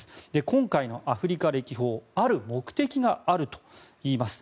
今回のアフリカ歴訪ある目的があるといいます。